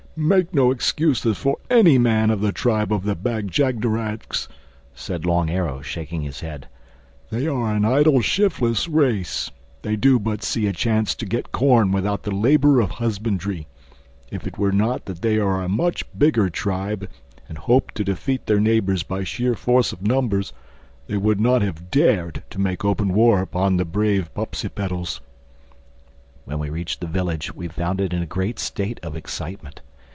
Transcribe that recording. "Make no excuses for any man of the tribe of the Bag jagderags," said Long Arrow shaking his head. "They are an idle shiftless race. They do but see a chance to get corn without the labor of husbandry. If it were not that they are a much bigger tribe and hope to defeat their neighbor by sheer force of numbers, they would not have dared to make open war upon the brave Popsipetels." When we reached the village we found it in a great state of excitement.